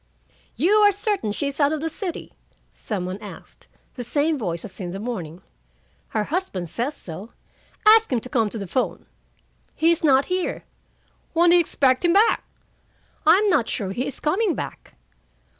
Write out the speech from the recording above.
"You are certain she is out of the city?" some one asked, the same voice as in the morning. "Her husband says so." "Ask him to come to the phone." "He is not here." "When do you expect him back?" "I'm not sure he is coming back."